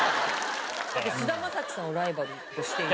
菅田将暉さんをライバルとしている。